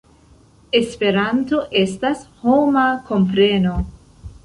Esperanto estas homa kompreno.